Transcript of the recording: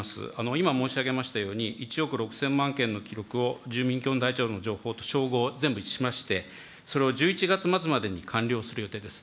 今、申し上げましたように、１億６０００万件の記録を住民基本台帳の情報と照合、全部しまして、それを１１月末までに完了する予定です。